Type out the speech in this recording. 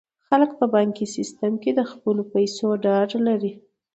خلک په بانکي سیستم کې د خپلو پیسو ډاډ لري.